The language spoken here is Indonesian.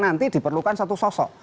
nanti diperlukan satu sosok